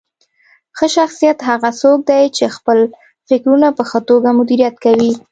ښه شخصیت هغه څوک دی چې خپل فکرونه په ښه توګه مدیریت کوي.